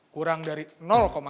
kurang dari satu aja